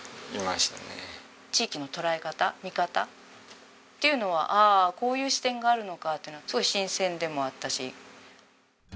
地域の捉え方見方っていうのはあっこういう視点があるのかってすごい新鮮でもあったし。